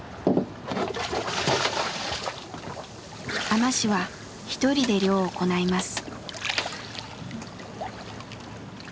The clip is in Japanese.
海士は一人で漁を行います。